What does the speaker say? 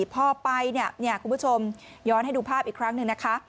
พอไปเนี่ยคุณผู้ชมย้อนให้ดูภาพอีกครั้งหนึ่งนะคะ